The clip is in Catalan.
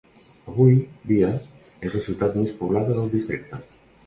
Avui dia és la ciutat més poblada del districte.